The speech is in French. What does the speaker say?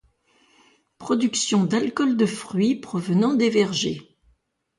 Production d'alcools de fruits provenant des vergers.